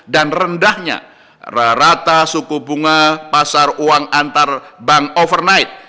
dan rendahnya rata suku bunga pasar uang antar bank overnight